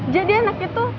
jadi anak itu